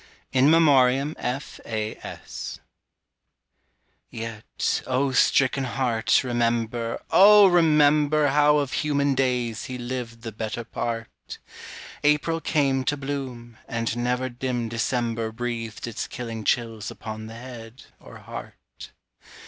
IN MEMORIAM F.A.S. Yet, O stricken heart, remember, O remember How of human days he lived the better part. April came to bloom and never dim December Breathed its killing chills upon the head or heart.